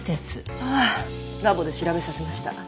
ああラボで調べさせました。